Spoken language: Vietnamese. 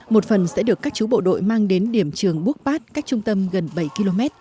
một phần sẽ được các chú bộ đội mang đến điểm trường búc bát cách trung tâm gần bảy km